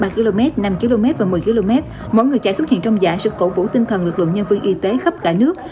năm km và một mươi km mỗi người chạy xuất hiện trong giải sự cổ vũ tinh thần lực lượng nhân viên y tế khắp cả nước